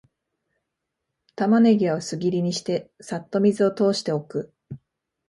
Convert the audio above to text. タマネギは薄切りにして、さっと水を通しておく